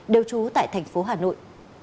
đều trú tại thành phố hà nội